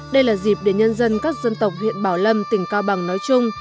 đây là dịp để nhân dân các dân tộc huyện bảo lâm tỉnh cao bằng nói chung